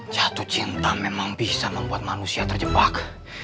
jatuh cinta memang bisa membuat manusia terjebak